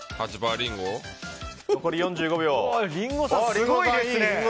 すごいですね。